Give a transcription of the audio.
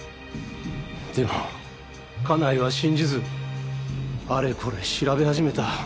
でも家内は信じずあれこれ調べ始めた。